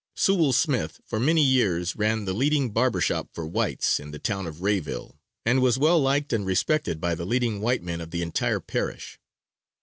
Sewall Smith, for many years ran the leading barber shop for whites in the town of Rayville, and was well liked and respected by the leading white men of the entire parish.